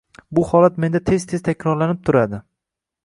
Bbu holat menda tez-tez takrorlanib turadi.